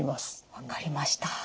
分かりました。